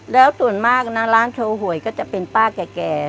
แล้วส่วนมากนะร้านโชว์หวยก็จะเป็นป้าแก่